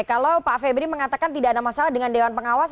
kalau pak febri mengatakan tidak ada masalah dengan dewan pengawas